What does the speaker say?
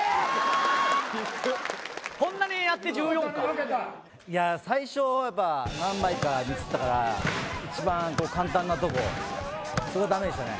１４枚いや最初やっぱ何枚かミスったから一番簡単なとこそれがダメでしたね